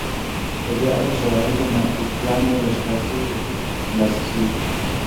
په دې اړه شواهد د ناتوفیانو له ښکار شوې هوسۍ څخه ترلاسه شوي